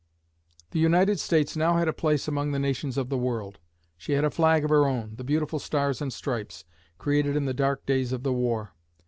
The United States now had a place among the nations of the world. She had a flag of her own, the beautiful Stars and Stripes, created in the dark days of the war.